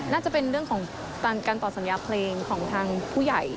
น่าจะเป็นเรื่องของการต่อสัญญาเพลงของทางผู้ใหญ่